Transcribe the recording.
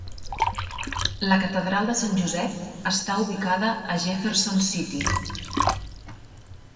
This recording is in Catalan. La catedral de Sant Josep està ubicada a Jefferson City.